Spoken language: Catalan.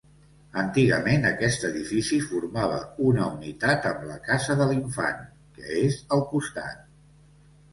Antigament aquest edifici formava una unitat amb la Casa de l'Infant, que és al costat.